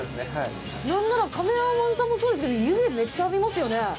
何ならカメラマンさんもそうですけど湯気めっちゃ浴びますよね？